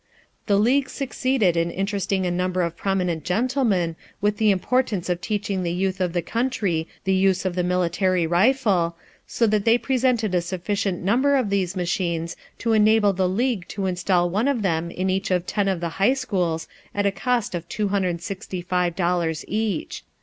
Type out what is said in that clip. The league succeeded in interesting a number of prominent gentlemen with the importance of teaching the youth of the country the use of the military rifle, so that they presented a sufficient number of these machines to enable the league to install one of them in each of ten of the high schools at a cost of $265 each.